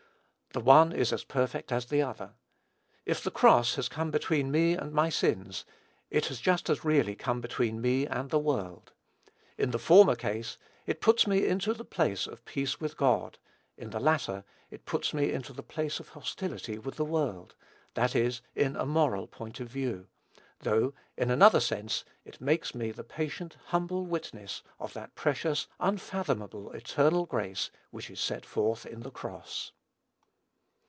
The one is as perfect as the other. If the cross has come between me and my sins, it has just as really come between me and the world. In the former case, it puts me into the place of peace with God; in the latter, it puts me into the place of hostility with the world, that is, in a moral point of view; though in another sense it makes me the patient, humble witness of that precious, unfathomable, eternal grace which is set forth in the cross.